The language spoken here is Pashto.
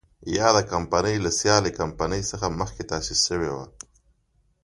یاده کمپنۍ له سیالې کمپنۍ څخه مخکې تاسیس شوې وه.